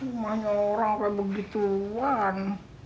rumahnya orang kayak begituan